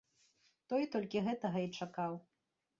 Той толькі гэтага і чакаў.